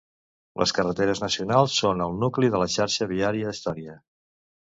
Les carreteres nacionals són el nucli de la xarxa viària d'Estònia.